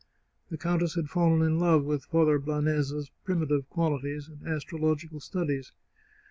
The countess had fallen in love with Father Blanes's primitive qualities, and astrological studies.